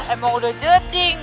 emang udah jeding